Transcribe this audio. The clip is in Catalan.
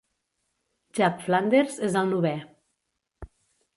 Jack Flanders és el novè.